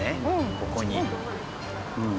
ここに。